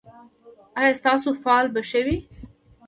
ایا ستاسو فال به ښه وي؟